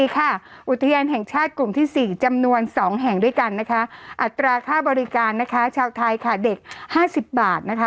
อุทยานแห่งชาติกลุ่มที่๔จำนวน๒แห่งด้วยกันนะคะอัตราค่าบริการนะคะชาวไทยค่ะเด็ก๕๐บาทนะคะ